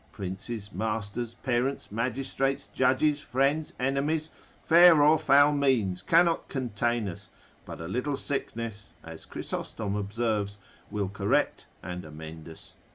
princes, masters, parents, magistrates, judges, friends, enemies, fair or foul means cannot contain us, but a little sickness, (as Chrysostom observes) will correct and amend us.